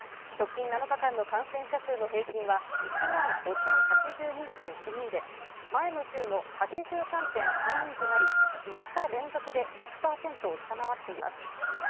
直近７日間の感染者数の平均は１万５０８２．９人で、前の週の８３．３％となり、５日連続で１００％を下回っています。